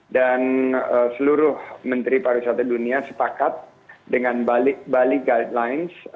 dan seluruh menteri pariwisata dunia sepakat dengan bali guidelines